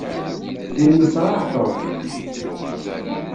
Yenneṣṛaɛ Tom.